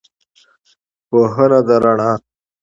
پوهنه ده رڼا